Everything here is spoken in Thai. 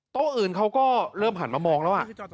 โต๊ะอื่นเขาก็เริ่มหันมามองแล้วอ่ะ